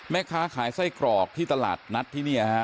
แม่ค้าขายไส้กรอกที่ตลาดนัดที่นี่ฮะ